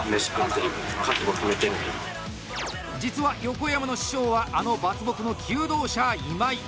実は横山の師匠はあの伐木の求道者、今井。